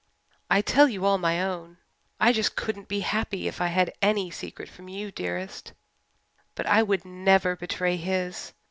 I tell you all my own I just couldn't be happy if I had any secret from you, dearest but I would never betray his.